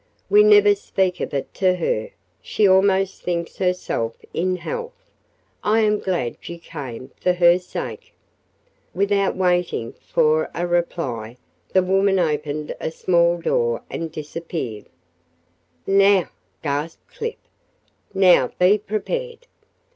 We never speak of it to her she almost thinks herself in health. I am glad you came for her sake." Without waiting for a reply the woman opened a small door and disappeared: "Now!" gasped Clip. "Now be prepared!